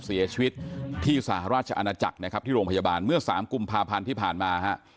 เสียชีวิตที่สหราชอาณาจักรนะครับที่โรงพยาบาลเมื่อสามกุมภาพันธ์ที่ผ่านมาฮะ